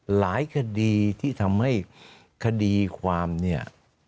หลายคดีที่ทำให้คดีความเนี่ย